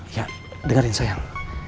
ya dengerin sayang